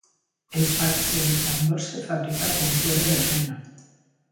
El parche del tambor se fabrica con cuero de reno.